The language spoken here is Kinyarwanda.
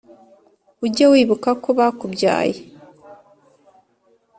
Ujye wibuka ko bakubyaye,